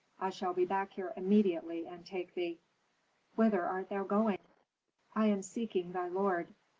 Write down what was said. I shall be back here immediately and take thee." "Whither art thou going?" "I am seeking thy lord.